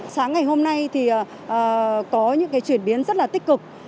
sáng ngày hôm nay thì có những cái chuyển biến rất là tích cực